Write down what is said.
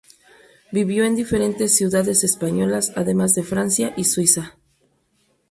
Vivió en diferentes ciudades españolas, además de Francia y Suiza.